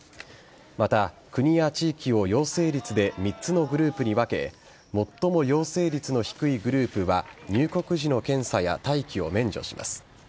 また、国や地域を陽性率で３つのグループに分け最も陽性率の低いグループは入国時の検査や待機を免除します。